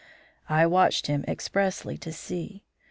I watched him expressly to see.